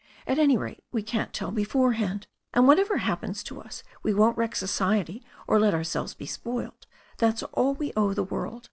At any rate we can't tell beforehand. And whatever happens to us we won't wreck society or let ourselves be spoilt. That's all we owe the world.